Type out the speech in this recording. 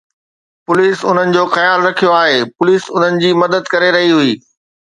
police انهن جو خيال رکيو آهي، پوليس انهن جي مدد ڪري رهي هئي